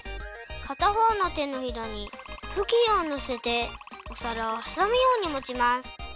かたほうの手のひらにふきんをのせてお皿をはさむようにもちます。